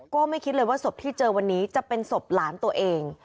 ก็ไม่คิดเลยว่าศพที่เจอวันนี้จะเป็นศพหลานตัวเอง